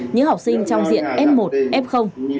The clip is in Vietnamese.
những học sinh trong diện f một f